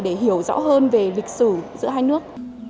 để hiểu rõ hơn về lịch sử giữa hai nước